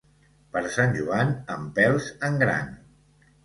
Per Sant Joan, empelts en gran.